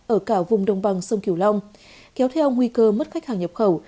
ở cả vùng đồng bằng sông kiều long kéo theo nguy cơ mất khách hàng nhập khẩu